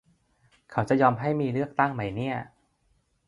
เขาจะยอมให้มีเลือกตั้งไหมเนี่ย